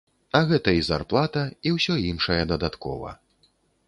А гэта і зарплата, і ўсё іншае дадаткова.